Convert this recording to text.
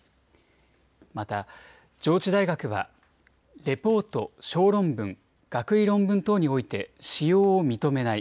また上智大学はレポート、小論文、学位論文等において使用を認めない。